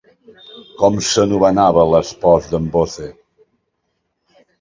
Com s'anomenava l'espòs de Mboze?